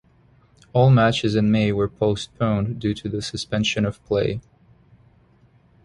All matches in May were postponed due to the suspension of play.